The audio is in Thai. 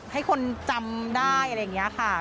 ให้คนจำได้อะไรอย่างนี้ค่ะ